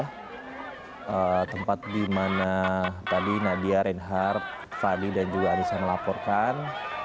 ya tempat di mana tadi nadia reinhard fadi dan juga arissa melaporkan